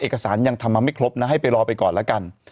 เอกสารยังทำมาไม่ครบนะให้ไปรอไปก่อนแล้วกัน